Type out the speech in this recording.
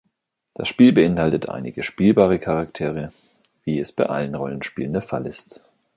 Das Spiel beinhaltet einige spielbare Charaktere, wie es bei allen Rollenspielen der Fall ist.